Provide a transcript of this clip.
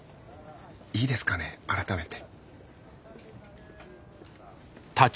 いいですかね改めて。